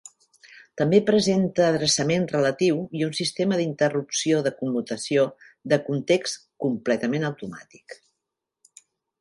També presenta adreçament relatiu i un sistema d'interrupció de commutació de context completament automàtic.